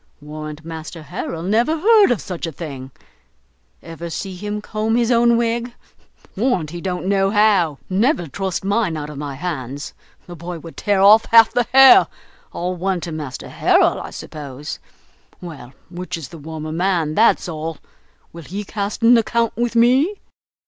Warrant Master Harrel never heard of such a thing; ever see him comb his own wig? Warrant he don't know how! never trust mine out of my hands, the boy would tear off half the hair; all one to master Harrel, I suppose. Well, which is the warmer man, that's all? Will he cast an account with me?"